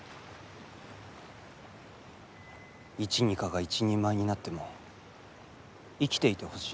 イチニカが一人前になっても生きていてほしい。